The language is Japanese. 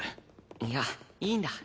いやいいんだ。